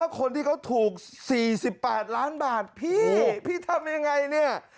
คนที่เขาถูก๔๘ล้านบาทพี่พี่ทำยังไงเนี่ย